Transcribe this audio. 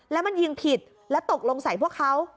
แล้วมันยิงผิดแล้วตกลงใส่พวกเขา